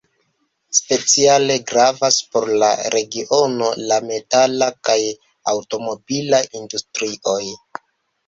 Speciale gravas por la regiono la metala kaj aŭtomobila industrioj.